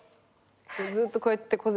ずっとこうやって小銭。